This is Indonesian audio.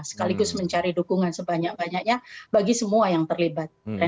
sekaligus mencari dukungan sebanyak banyaknya bagi semua yang terlibat